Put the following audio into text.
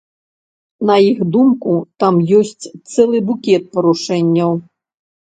На іх думку, там ёсць цэлы букет парушэнняў.